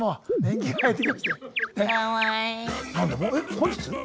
本日？